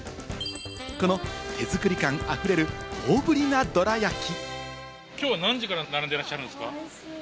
この手作り感あふれる大ぶりな、どら焼き。